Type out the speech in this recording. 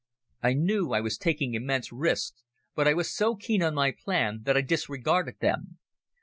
I knew I was taking immense risks, but I was so keen on my plan that I disregarded them.